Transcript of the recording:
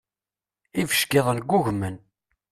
Ibeckiḍen ggugmen.